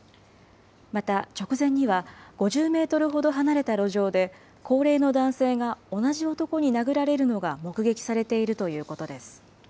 また、直前には５０メートルほど離れた路上で、高齢の男性が同じ男に殴られるのが目撃されているということです。